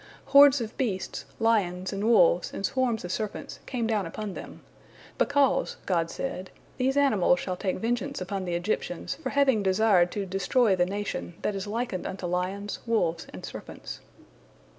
Hordes of beasts, lions and wolves and swarms of serpents, came down upon them, "because," God said, "these animals shall take vengeance upon the Egyptians for having desired to destroy the nation that is likened unto lions, wolves, and serpents."